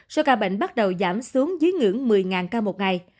số ca bệnh bắt đầu giảm xuống dưới ngưỡng một mươi ca một ngày